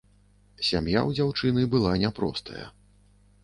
Сям'я ў дзяўчыны была няпростая.